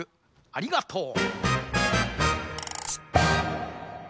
ありがとう。